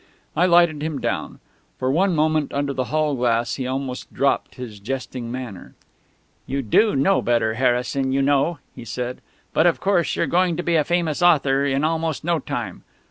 I lighted him down. For one moment, under the hall gas, he almost dropped his jesting manner. "You do know better, Harrison, you know," he said. "But, of course, you're going to be a famous author in almost no time.